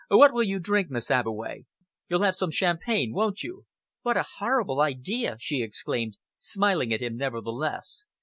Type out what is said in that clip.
What will you drink, Miss Abbeway? You'll have some champagne, won't you?" "What a horrible idea!" she exclaimed, smiling at him nevertheless.